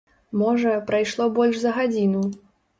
Можа, прайшло больш за гадзіну.